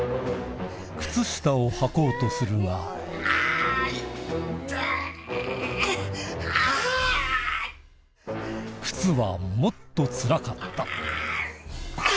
靴下をはこうとするが靴はもっとつらかったあ！